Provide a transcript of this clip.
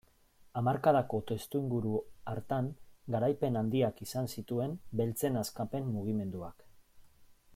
Hamarkadako testuinguru hartan garaipen handiak izan zituen beltzen askapen mugimenduak.